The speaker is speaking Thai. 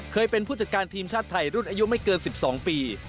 เคยเป็นผู้จัดการทีมชาติไทยรุ่นอายุไม่เกิน๑๒ปี